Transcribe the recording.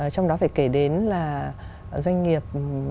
trong đó phải kể đến là doanh nghiệp